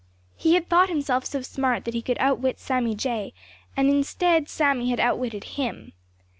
He had thought himself so smart that he could outwit Sammy Jay, and instead Sammy had outwitted him.